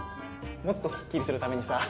もっとスッキリするためにさ